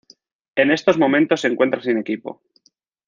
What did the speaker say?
En estos momentos se encuentra sin equipo.